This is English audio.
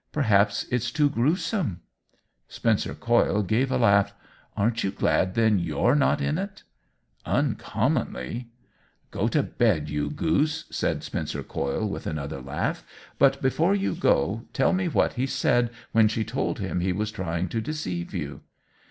" Per haps it's too grewsome !" Spencer Coyle gave a laugh. "Aren't you glad, then, you're not in it ?" OWEN WINGRAVE 217 " Uncommonly !"" Go to bed, you goose," said Spencer Coyle, with another laugh. " But, before you go, tell me what he said when she told him he was trying to deceive you."